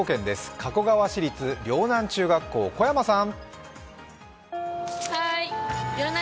加古川市立陵南中学校小山さん。